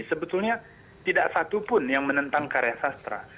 sebetulnya tidak satupun yang menentang karya sastra